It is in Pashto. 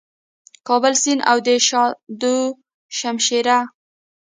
کابل سیند او د شاه دو شمشېره